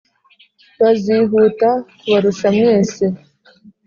bazihuta kubarusha mwese